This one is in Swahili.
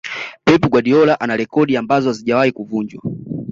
pep guardiola ana rekodi ambazo hazijawahi kuvunjwa